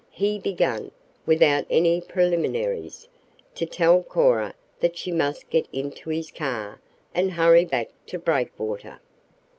He began, without any preliminaries, to tell Cora that she must get into his car, and hurry back to Breakwater.